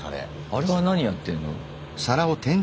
あれは何やってんの？